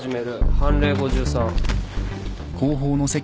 判例５３。